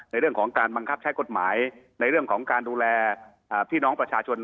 ในเรื่องของการบังคับใช้กฎหมายในเรื่องของการดูแลพี่น้องประชาชน